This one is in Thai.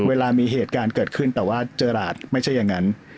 เวลามีเหตุการณ์เกิดขึ้นแต่ว่าเจอราชไม่ใช่อย่างนั้น